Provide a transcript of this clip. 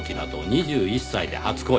２１歳で初恋。